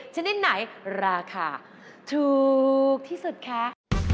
ชนิดไหนราคาถูกที่สุดคะ